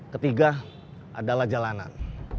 ketiga adalah jalanan